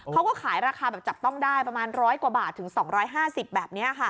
เขาก็ขายราคาแบบจับต้องได้ประมาณ๑๐๐กว่าบาทถึง๒๕๐แบบนี้ค่ะ